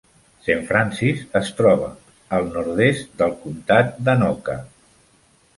Saint Francis es troba a la nord-est del comtat d'Anoka.